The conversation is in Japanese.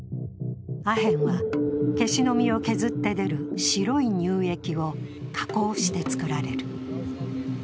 アヘンはケシの実を削って出る白い乳液を加工して作られる。